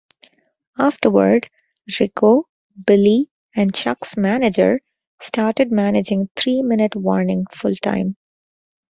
Afterward Rico, Billy and Chuck's manager, started managing Three Minute Warning full-time.